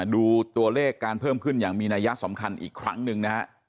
ดูตัวเลขการเพิ่มขึ้นอย่างมีนัยสำคัญอีกครั้งหนึ่งนะฮะ